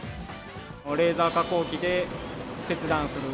レーザー加工機で切断する。